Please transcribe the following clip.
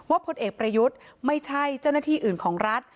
พลเอกประยุทธ์ไม่ใช่เจ้าหน้าที่อื่นของรัฐ